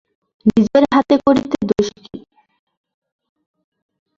নিজের হাতে করিতে দোষ কী।